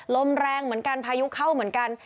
ลมแรงเหมือนกันพายุเข้าเหมือนกัน